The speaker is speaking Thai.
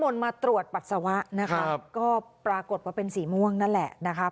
มนต์มาตรวจปัสสาวะนะคะก็ปรากฏว่าเป็นสีม่วงนั่นแหละนะคะ